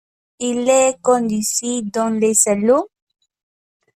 Il les conduisit dans le salon.